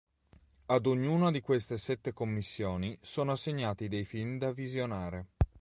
Ad ognuna di queste sette commissioni sono assegnati dei film da visionare.